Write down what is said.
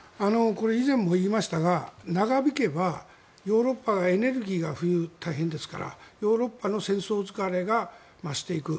これ、以前も言いましたが長引けば、ヨーロッパがエネルギーが冬、大変ですからヨーロッパの戦争疲れが増していく。